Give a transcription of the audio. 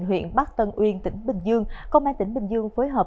huyện bắc tân uyên tỉnh bình dương công an tỉnh bình dương phối hợp